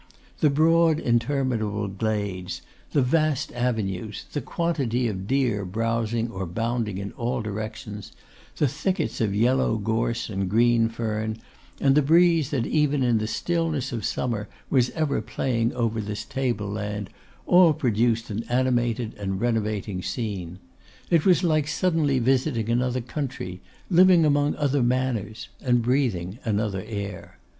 The broad interminable glades, the vast avenues, the quantity of deer browsing or bounding in all directions, the thickets of yellow gorse and green fern, and the breeze that even in the stillness of summer was ever playing over this table land, all produced an animated and renovating scene. It was like suddenly visiting another country, living among other manners, and breathing another air.